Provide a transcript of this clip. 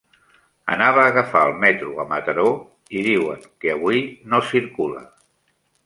Anava a agafar el metro a Mataró i diuen que avui no circula.